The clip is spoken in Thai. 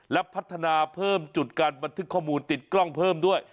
และพัฒนาเพิ่มจุดการบันทึกข้อมูลติดกล้องเพิ่มด้วย